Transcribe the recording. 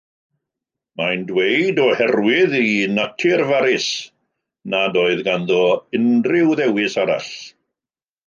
Mae'n dweud, oherwydd ei natur farus, nad oedd ganddo unrhyw ddewis arall.